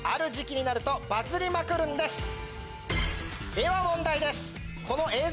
では問題です！